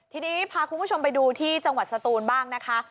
ทีนี้พาคุณผู้ชมไปดูที่จังหวัดสตูนบ้างนะคะ